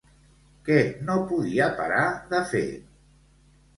Què no podia parar de fer?